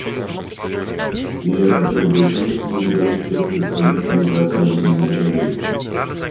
И я хотел бы еще раз поблагодарить всех представителей за оказанное мне доверие.